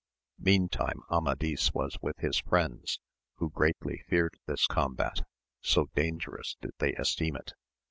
Meantime Amadis was with his friends, who greatly feared this combat, so dangerous did they esteem it.